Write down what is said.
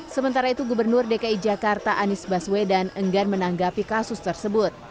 sementara itu gubernur dki jakarta anies baswedan enggan menanggapi kasus tersebut